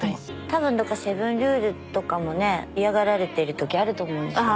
多分だから「セブンルール」とかもね嫌がられてるときあると思うんですよ。